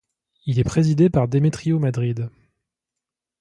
Il est présidé par Demetrio Madrid.